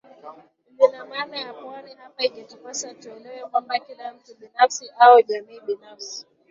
lina maana ya pwani Hapa ingetupasa tuelewe kwamba kila mtu binafsi au jamii binafsi